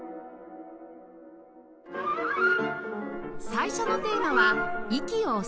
最初のテーマは「息を吸う」